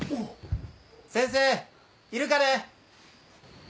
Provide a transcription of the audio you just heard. ・先生いるかね？